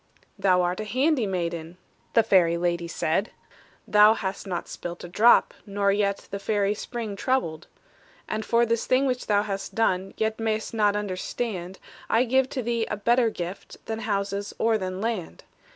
"Thou art a handy maiden," The fairy lady said; "Thou hast not spilt a drop, nor yet The fairy spring troubled! "And for this thing which thou hast done, Yet mayst not understand, I give to thee a better gift Than houses or than land.